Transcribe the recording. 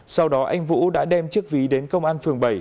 sau đó anh vũ đã đem chiếc ví đến công an phường bảy